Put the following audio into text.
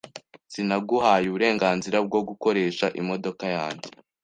Sinaguhaye uburenganzira bwo gukoresha imodoka yanjye .